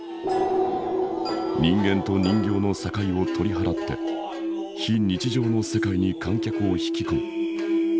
人間と人形の境を取り払って非日常の世界に観客を引き込む。